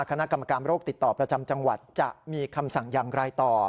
คณะกรรมการโรคติดต่อประจำจังหวัดจะมีคำสั่งอย่างไรต่อ